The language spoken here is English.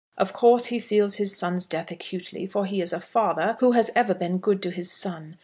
Of course he feels his son's death acutely; for he is a father who has ever been good to his son.